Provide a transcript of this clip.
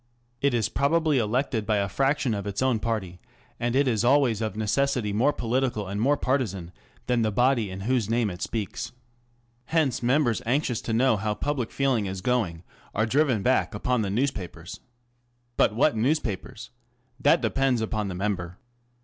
It is probably elected by a fraction of its own party, and it is always of necessity more political and more partisan than the body in whose name it speaks. Hence members anxious to know how public feeling is going are driven back upon the newspapers. But what newspapers ? That depends upon the member.